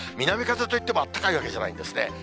南風といってもあったかいわけじゃないんですね。